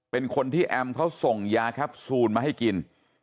เป็นคนที่แอมเขาส่งยาแคปซูลมาให้กิน